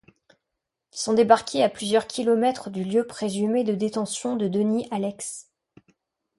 Ils sont débarqués à plusieurs kilomètres du lieu présumé de détention de Denis Allex.